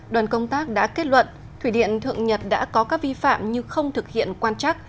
đoàn công tác đã kết luận thủy điện thượng nhật đã có các vi phạm như không thực hiện quan chắc